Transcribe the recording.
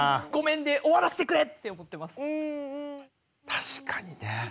確かにね。